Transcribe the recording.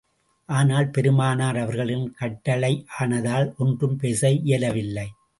ஆனால், பெருமானார் அவர்களின் கட்டளையானதால், ஒன்றும் பேச இயலவில்லை.